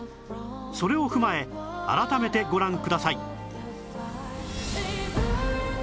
それを踏まえ改めてご覧ください